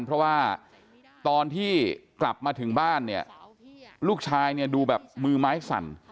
เพราะว่าตอนที่กลับมาถึงบ้านลูกชายดูแบบมือไม้สั่น